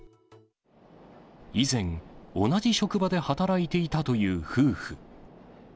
以前、同じ職場で働いていたという夫婦。